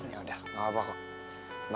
yaudah gak apa apa